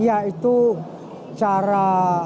ya itu cara